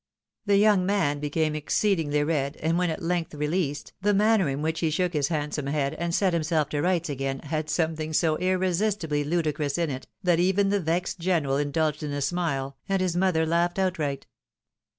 The young man became exceedingly red, and when at length released, the manner in which he shook his handsome head and set himself to rights again had some thing so irresistibly ludicrous in it, that even the vexed general indulged in a smile, and liis mother laughed outright.